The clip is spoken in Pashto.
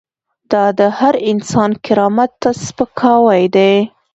دا د هر انسان کرامت ته سپکاوی دی.